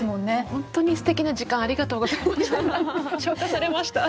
本当にすてきな時間ありがとうございました。